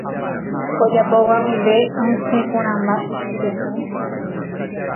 Ojapóva guive osẽporãmba ichupe.